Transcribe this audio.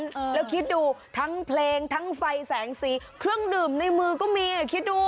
เออแล้วคิดดูทั้งเพลงทั้งไฟแสงสีเครื่องดื่มในมือก็มีคิดดู